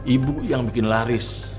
ibu yang bikin laris